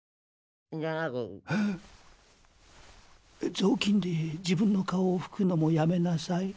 ぞうきんで自分の顔をふくのもやめなさい。